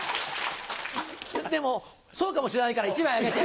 でもそうかもしれないから１枚あげて。